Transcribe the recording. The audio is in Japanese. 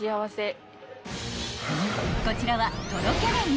［こちらは］